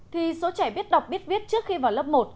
thì số trẻ biết đọc biết viết trước khi vào lớp một